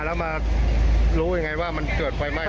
แล้วมารู้ยังไงว่ามันเกิดไฟไหม้